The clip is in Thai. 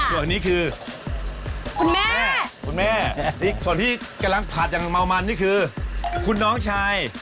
ส่วนนี้คือคุณแม่คุณแม่ส่วนที่กำลังผัดอย่างเมามันนี่คือคุณน้องชาย